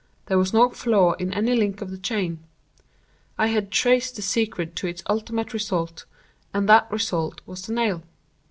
There was no flaw in any link of the chain. I had traced the secret to its ultimate result,—and that result was _the nail.